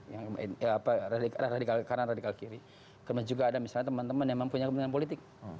yang radikal kanan radikal kiri kemudian juga ada misalnya teman teman yang mempunyai kepentingan politik